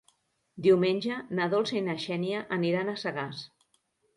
Diumenge na Dolça i na Xènia aniran a Sagàs.